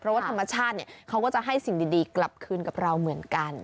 เพราะว่าธรรมชาติเขาก็จะให้สิ่งดีกลับคืนกับเราเหมือนกัน